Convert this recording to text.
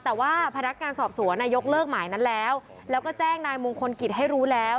แต่ว่าพนักงานสอบสวนยกเลิกหมายนั้นแล้วแล้วก็แจ้งนายมงคลกิจให้รู้แล้ว